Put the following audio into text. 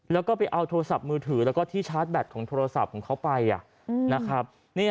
แล้วก็ไปเอาโทรศัพท์มือถือแล้วก็ที่ชาร์จแบตของโทรศัพท์ของเขาไปนะครับ